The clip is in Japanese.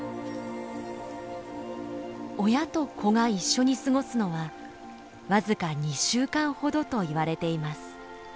親と子が一緒に過ごすのは僅か２週間ほどといわれています。